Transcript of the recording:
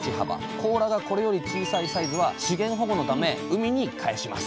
甲羅がこれより小さいサイズは資源保護のため海に返します